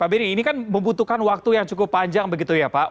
pak benny ini kan membutuhkan waktu yang cukup panjang begitu ya pak